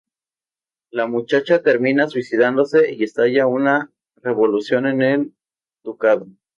La muchacha termina suicidándose y estalla una revolución en el ducado.